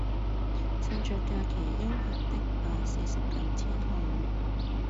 趁著假期悠閒的把四十九天看完